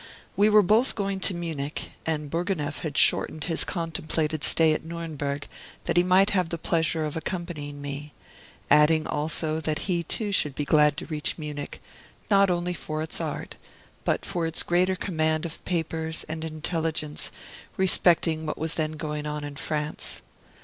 We were both going to Munich, and Bourgonef had shortened his contemplated stay at Nuremberg that he might have the pleasure of accompanying me; adding also that he, too, should be glad to reach Munich, not only for its art, but for its greater command of papers and intelligence respecting what was then going on in France.